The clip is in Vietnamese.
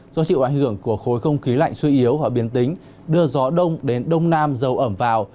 do chịu ảnh hưởng của khối không khí lạnh suy yếu hoặc biến tính đưa gió đông đến đông nam dâu ẩm vào